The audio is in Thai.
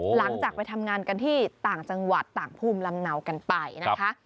หลังจากไปทำงานกันที่ต่างจังหวัดต่างภูมิลำเนากันไปนะคะ